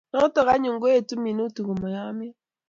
Noto anyun koetu minutik komoyomyo